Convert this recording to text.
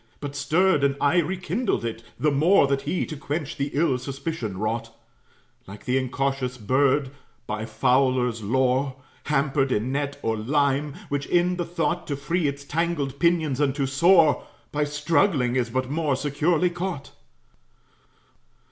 But stirred and aye rekindled it, the more That he to quench the ill suspicion wrought, Like the incautious bird, by fowler's lore, Hampered in net or lime; which, in the thought To free its tangled pinions and to soar, By struggling is but more securely caught.